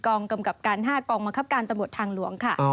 ๔กองกำกับการ๕กองมาครับการตรรวจทางล้วงค่ะอ๋อ